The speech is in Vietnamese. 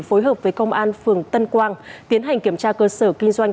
phối hợp với công an phường tân quang tiến hành kiểm tra cơ sở kinh doanh